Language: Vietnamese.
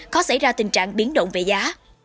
khó xảy ra tình trạng biến động về giá